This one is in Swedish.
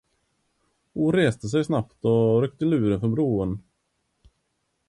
Hon reste sig snabbt och ryckte luren från brodern.